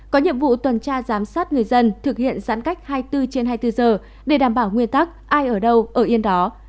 có nhiệm vụ tuần tra giám sát người dân thực hiện giãn cách hai mươi bốn trên hai mươi bốn giờ để đảm bảo nguyên tắc ai ở đâu ở yên đó